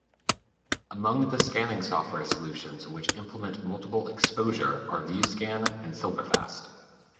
Among the scanning software solutions which implement multiple exposure are VueScan and SilverFast.